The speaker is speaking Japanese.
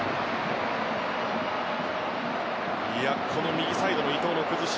右サイドの伊東の崩し。